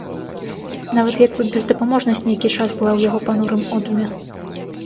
Нават як бы бездапаможнасць нейкі час была ў яго панурым одуме.